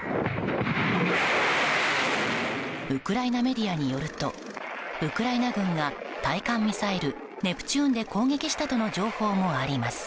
ウクライナメディアによるとウクライナ軍が対艦ミサイル、ネプチューンで攻撃したとの情報もあります。